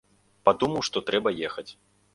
Падумаў, што трэба ехаць.